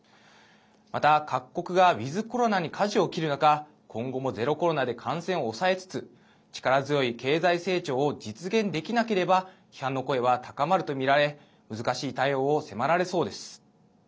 また、各国がウィズコロナにかじを切る中今後もゼロコロナで感染を抑えつつ力強い経済成長を実現できなければ批判の声は高まるとみられ難しい対応を迫られそうです。